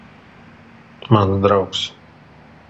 Mans draugs.